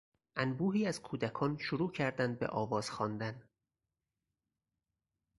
انبوهی از کودکان شروع کردند به آواز خواندن.